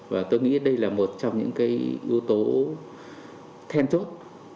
và tôi nghĩ đây là một trong những cái yếu tố then chốt